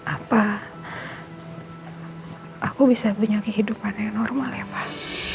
apa aku bisa punya kehidupan yang normal ya pak